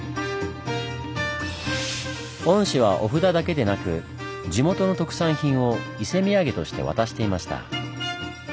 御師はお札だけでなく地元の特産品を伊勢土産として渡していました。